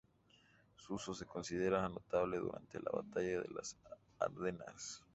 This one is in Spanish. Su uso se considera notable durante la Batalla de las Ardenas.